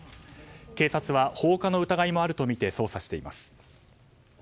警察は、放火の疑いもあるとみて捜査しています。